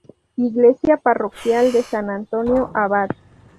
Iglesia Parroquial de San Antonio Abad.